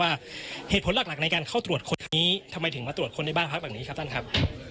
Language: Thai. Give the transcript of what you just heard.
ว่าเหตุผลหลักในการเข้าตรวจคนนี้ทำไมถึงมาตรวจคนในบ้านพักแบบนี้ครับท่านครับ